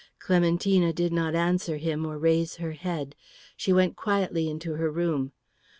Clementina did not answer him or raise her head. She went quietly into her room.